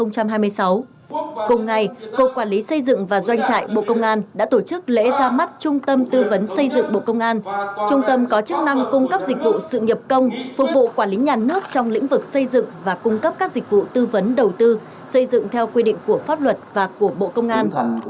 cùng ngày cục quản lý xây dựng và doanh trại bộ công an đã tổ chức lễ ra mắt trung tâm tư vấn xây dựng bộ công an trung tâm có chức năng cung cấp dịch vụ sự nghiệp công phục vụ quản lý nhà nước trong lĩnh vực xây dựng và cung cấp các dịch vụ tư vấn đầu tư xây dựng theo quy định của pháp luật và của bộ công an